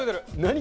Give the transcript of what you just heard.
何？